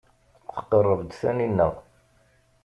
Tqerreb-d Taninna.